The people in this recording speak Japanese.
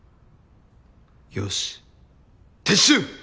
よし撤収！